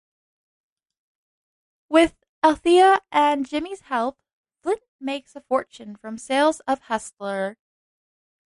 With Althea and Jimmy's help, Flynt makes a fortune from sales of "Hustler".